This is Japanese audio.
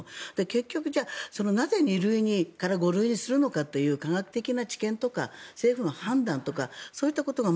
結局、なぜ２類から５類にするのかという科学的な知見とか政府の判断とかそういったことが